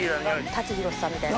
舘ひろしさんみたいな。